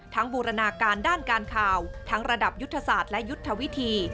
บูรณาการด้านการข่าวทั้งระดับยุทธศาสตร์และยุทธวิธี